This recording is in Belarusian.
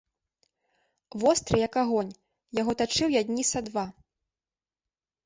Востры, як агонь, яго тачыў я дні са два.